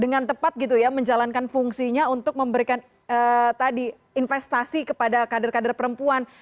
dengan tepat gitu ya menjalankan fungsinya untuk memberikan tadi investasi kepada kader kader perempuan